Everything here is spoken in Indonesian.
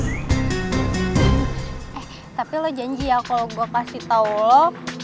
eh tapi lo janji ya kalau gue kasih tau lo